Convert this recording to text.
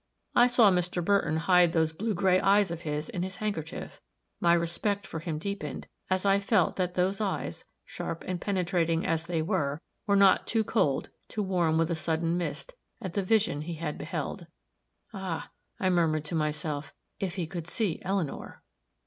I saw Mr. Burton hide those blue gray eyes of his in his handkerchief; my respect for him deepened as I felt that those eyes, sharp and penetrating as they were, were not too cold to warm with a sudden mist at the vision he had beheld. "Ah!" murmured I to myself, "if he could see Eleanor!"